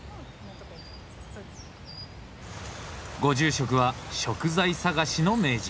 ご住職は食材探しの名人。